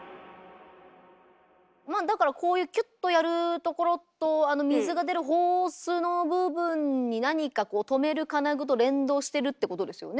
まあだからこういうキュッとやるところと水が出るホースの部分に何かこうとめる金具と連動してるってことですよね？